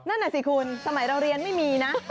นั่นน่ะสิคุณสมัยเราเรียนไม่มีนะ